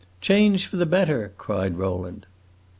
"Change for the better!" cried Rowland.